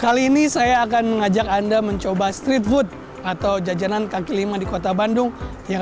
kali ini saya akan mengajak anda mencoba street food atau jajanan kaki lima di kota bandung yang